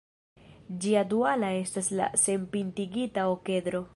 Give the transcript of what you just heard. Ĝia duala estas la senpintigita okedro.